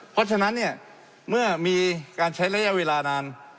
เพราะฉะนั้นเนี่ยเมื่อมีการใช้ระยะเวลานาน